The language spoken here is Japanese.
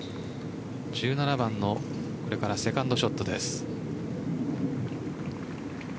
１７番のこれからセカンドショットです。